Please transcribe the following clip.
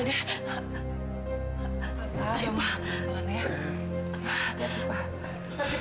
dari depan nyari cari baja ya pak ya